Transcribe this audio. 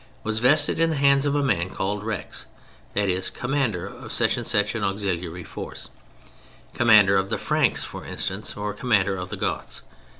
was vested in the hands of a man called "Rex," that is, "Commander" of such and such an auxiliary force; Commander of the Franks, for instance, or Commander of the Goths.